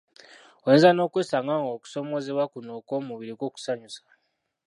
Oyinza n'okwesanga ng'okusoomoozebwa kuno okw'omubiri kukusanyusa.